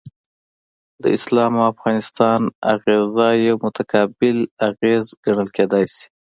د اسلام او افغانستان اغیزه یو متقابل اغیز ګڼل کیدای شي.